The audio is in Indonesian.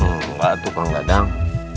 enggak tukang dadang